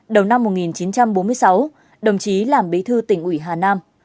đầu năm một nghìn chín trăm bốn mươi sáu đồng chí làm bí thư tỉnh ủy hà nam